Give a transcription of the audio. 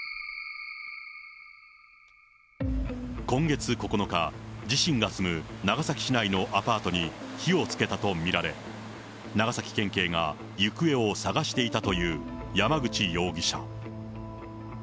今月９日、自身が住む長崎市内のアパートに、火をつけたと見られ、長崎県警が行方を捜していたという山口容疑者。